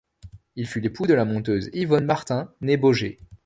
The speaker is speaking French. Il fut l'époux de la monteuse Yvonne Martin née Beaugé.